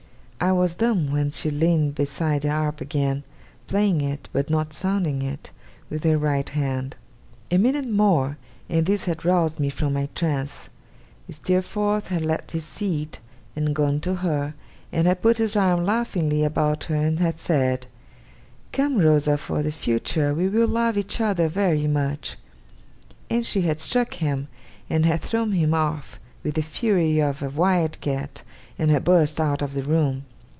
I was dumb when she leaned beside the harp again, playing it, but not sounding it, with her right hand. A minute more, and this had roused me from my trance: Steerforth had left his seat, and gone to her, and had put his arm laughingly about her, and had said, 'Come, Rosa, for the future we will love each other very much!' And she had struck him, and had thrown him off with the fury of a wild cat, and had burst out of the room.